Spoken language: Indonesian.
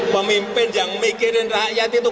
pemimpin yang mikirin rakyat itu